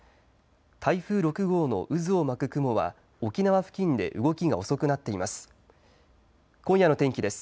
台風６号の渦を巻く雲は沖縄付近で動きが遅くなっています。